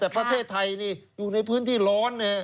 แต่ประเทศไทยนี่อยู่ในพื้นที่ร้อน